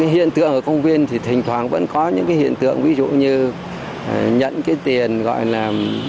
hiện tượng ở công viên thì thỉnh thoảng vẫn có những cái hiện tượng ví dụ như nhận cái tiền gọi là